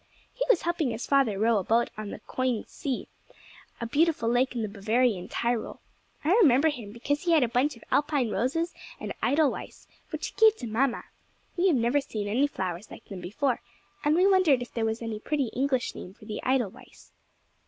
He was helping his father row a boat on the Königs See, a beautiful lake in the Bavarian Tyrol. I remember him because he had a bunch of Alpine roses and Edelweiss, which he gave to mamma. We had never seen any flowers like them before, and we wondered if there was any pretty English name for the Edelweiss.